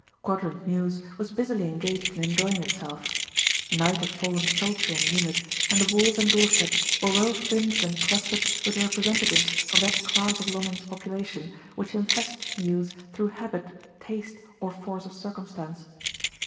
Quadrant Mews was busily engaged in enjoying itself. Night had fallen sultry and humid, and the walls and doorsteps were well fringed and clustered with representatives of that class of London's population which infests mews through habit, taste, or force of circumstance.